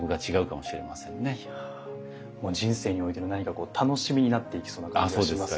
もう人生においての何かこう楽しみになっていきそうな感じがしますね